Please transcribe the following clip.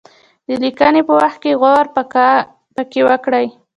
د لیکني په وخت کې غور پکې وکړي.